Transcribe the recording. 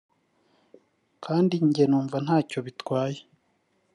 kandi njye numva ntacyo bitwaye”